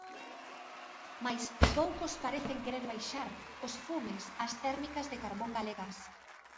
Mais poucos parecen querer baixar os fumes ás térmicas de carbón galegas.